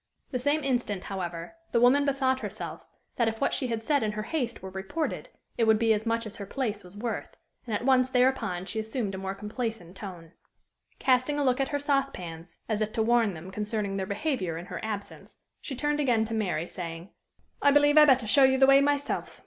The same instant, however, the woman bethought herself that, if what she had said in her haste were reported, it would be as much as her place was worth; and at once thereupon she assumed a more complaisant tone. Casting a look at her saucepans, as if to warn them concerning their behavior in her absence, she turned again to Mary, saying: "I believe I better show you the way myself.